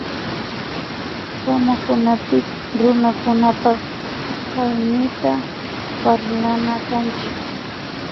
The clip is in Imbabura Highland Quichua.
Kumunakunapik Runakunapak Hañiyta parlana kanchik